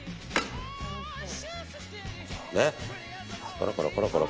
コロコロコロコロ。